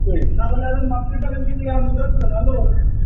তবে না, সে আসেনি।